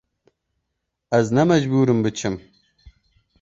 Ez ne mecbûr im biçim.